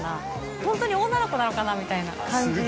ホントに女の子なのかなみたいな感じ。